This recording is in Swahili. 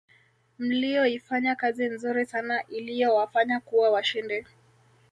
mliyoifanya kazi nzuri sana iliyowafanya kuwa washindi